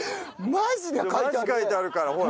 マジ書いてあるからほら。